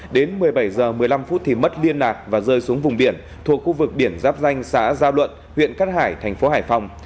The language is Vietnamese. đến một mươi bảy h một mươi năm thì mất liên lạc và rơi xuống vùng biển thuộc khu vực biển giáp danh xã gia luận huyện cát hải thành phố hải phòng